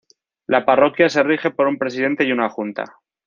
La parroquia se rige por un Presidente y una Junta.